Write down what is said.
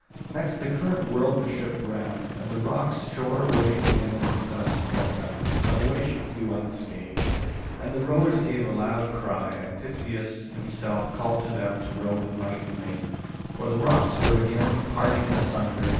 Next the current whirled the ship round. And the rocks shore away the end of the dove's tail feathers; but away she flew unscathed. And the rowers gave a loud cry; and Tiphys himself called to them to row with might and main. For the rocks were again parting asunder.